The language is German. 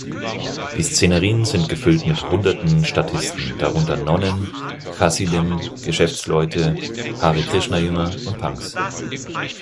Die Szenerien sind gefüllt mit hunderten Statisten, darunter Nonnen, Chassidim, Geschäftsleute, Hare-Krishna-Jünger und Punks.